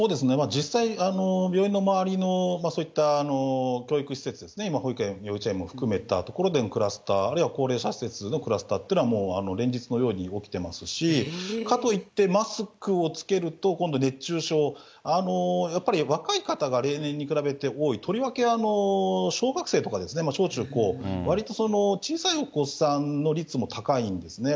実際、病院の周りのそういった教育施設ですね、今保育園、幼稚園も含めたところでのクラスター、あるいは高齢者施設のクラスターっていうのは、もう連日のように起きてますし、かといって、マスクを着けると、今度熱中症、やっぱり若い方が例年に比べて多い、とりわけ小学生とか小中高、わりと、小さいお子さんの率も高いんですね。